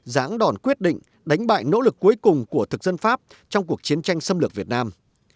giãn đòn quyết định đánh bại nỗ lực cuối cùng của thực dân pháp trong cuộc chiến tranh xâm lược việt nam